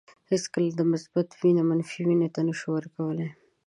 هیڅکله د مثبت وینه منفي وینې ته نشو ورکولای.